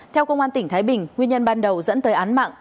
theo công an tỉnh thái bình nguyên nhân ban đầu dẫn tới án mạng